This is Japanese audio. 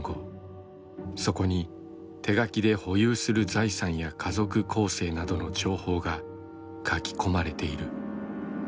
そこに手書きで保有する財産や家族構成などの情報が書き込まれている。